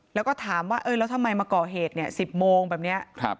แล้วก็ถามว่าเอ้ยแล้วทำไมมาก่อเหตุเนี่ย๑๐โมงแบบเนี้ย